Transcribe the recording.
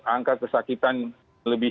angka kesakitan lebih